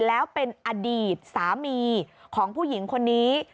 แล้วเป็นอดีตสามีของผู้หญิงคนนี้